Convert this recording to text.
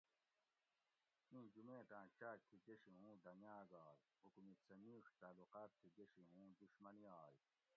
اِیں جُمیت آۤں چاۤگ تھی گشی ہُوں ڈنگاۤگ آئ حکومِت سہ مِیڄ تعلُقاۤت تھی گشی ھُوں دُشمنی آئ